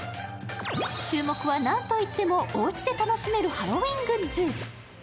注目は何といってもおうちで楽しめるハロウィーングッズ。